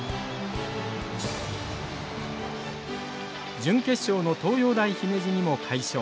準決勝の東洋大姫路にも快勝。